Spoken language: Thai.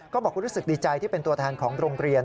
บอกว่ารู้สึกดีใจที่เป็นตัวแทนของโรงเรียน